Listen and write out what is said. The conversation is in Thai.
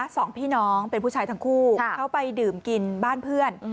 สองพี่น้องเป็นผู้ชายทั้งคู่เขาไปดื่มกินบ้านเพื่อน